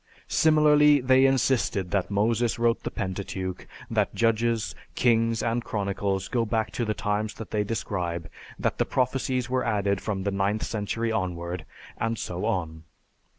Similarly, they insisted that Moses wrote the Pentateuch, that Judges, Kings, and Chronicles go back to the times they describe, that the prophecies were added from the ninth century onward, and so on.